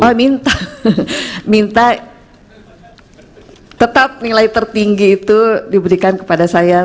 oh minta minta tetap nilai tertinggi itu diberikan kepada saya